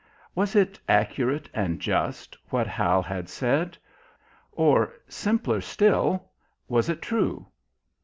Was it accurate and just, what Hal had said? Or, simpler still, was it true?